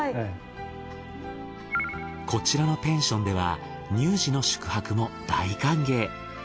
こちらのペンションでは乳児の宿泊も大歓迎。